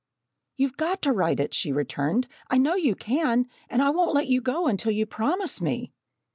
"You've got to write it," she returned. "I know you can, and I won't let you go until you promise me."